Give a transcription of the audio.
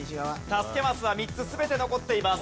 助けマスは３つ全て残っています。